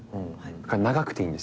長くていいんですよ。